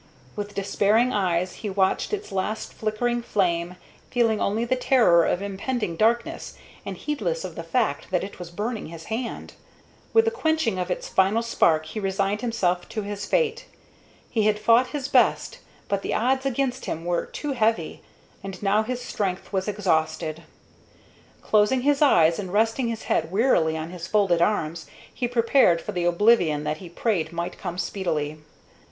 With despairing eyes he watched its last flickering flame, feeling only the terror of impending darkness, and heedless of the fact that it was burning his hand. With the quenching of its final spark he resigned himself to his fate. He had fought his best, but the odds against him were too heavy, and now his strength was exhausted. Closing his eyes, and resting his head wearily on his folded arms, he prepared for the oblivion that he prayed might come speedily.